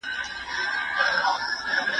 د جغرافیې په لوست کي د نقسو کارونه نه وه.